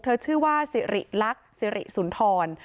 ชื่อว่าสิริลักษณ์สิริสุนทร